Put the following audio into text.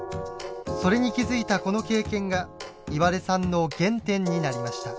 それに気付いたこの経験が岩出さんの原点になりました。